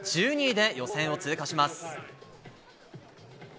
１２位で予選を通過します。